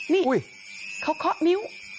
นี่เคาะมิ้ว